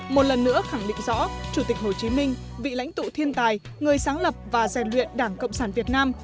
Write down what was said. một lần nữa khẳng định rõ chủ tịch hồ chí minh vị lãnh tụ thiên tài người sáng lập và rèn luyện đảng cộng sản việt nam